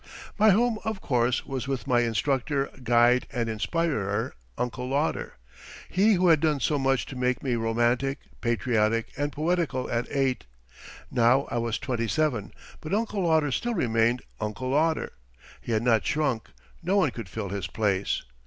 My home, of course, was with my instructor, guide, and inspirer, Uncle Lauder he who had done so much to make me romantic, patriotic, and poetical at eight. Now I was twenty seven, but Uncle Lauder still remained Uncle Lauder. He had not shrunk, no one could fill his place.